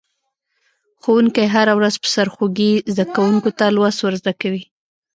ښوونکی هره ورځ په سرخوږي زده کونکو ته لوست ور زده کوي.